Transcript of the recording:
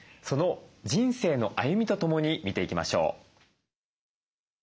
その人生の歩みとともに見ていきましょう。